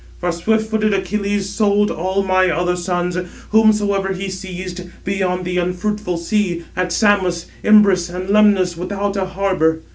For swift footed Achilles sold 799 all my other sons, whomsoever he seized, beyond the unfruitful sea, at Samos, Imbrus, and Lemnos without a harbour.